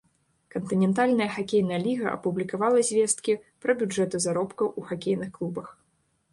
Кантынентальная хакейная ліга апублікавала звесткі пра бюджэты заробкаў у хакейных клубах.